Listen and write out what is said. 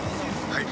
はい。